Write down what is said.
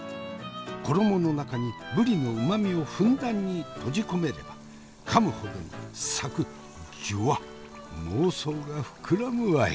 衣の中にぶりのうまみをふんだんに閉じ込めればかむほどにサクッジュワ妄想が膨らむわい。